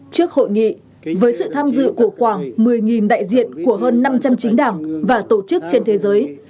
trước hội nghị với sự tham dự của khoảng một mươi đại diện của hơn năm trăm linh chính đảng và tổ chức trên thế giới